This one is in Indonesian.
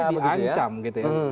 di ancam gitu ya